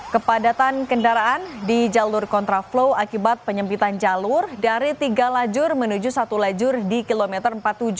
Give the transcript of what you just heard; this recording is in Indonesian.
kepadatan kendaraan di jalur kontraflow akibat penyempitan jalur dari tiga lajur menuju satu lajur di kilometer empat puluh tujuh